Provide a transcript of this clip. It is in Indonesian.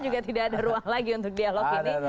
juga tidak ada ruang lagi untuk dialog ini